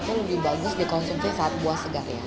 itu lebih bagus dikonsumsi saat buah segar ya